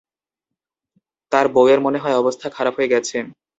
তার বউয়ের মনে হয় অবস্থা খারাপ হয়ে গেছে।